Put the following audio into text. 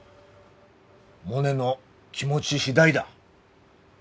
モネの気持ち次第だ。